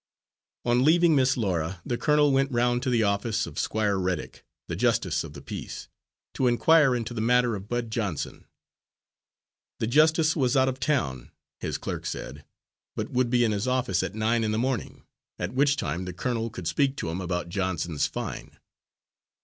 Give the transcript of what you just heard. On leaving Miss Laura, the colonel went round to the office of Squire Reddick, the justice of the peace, to inquire into the matter of Bud Johnson. The justice was out of town, his clerk said, but would be in his office at nine in the morning, at which time the colonel could speak to him about Johnson's fine.